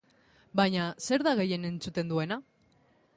Baina zer da gehien entzuten duena?